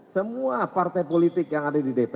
semua partai politik yang ada di dpp